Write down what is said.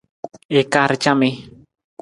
I kaar camii.